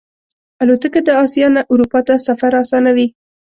الوتکه د آسیا نه اروپا ته سفر آسانوي.